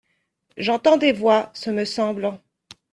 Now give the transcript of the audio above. J'entends des voix, ce me semble.